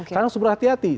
karena harus berhati hati